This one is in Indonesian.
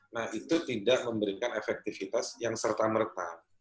nah itu tidak memberikan efektivitas yang serta merta